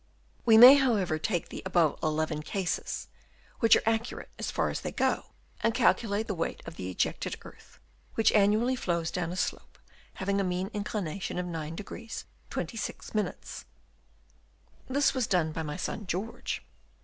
We may, however, take the above eleven cases, which are accurate as far as they go, and calculate the weight of the ejected earth which annually flows down a slope having a mean inclination of 9° 26'. This was done by my son George.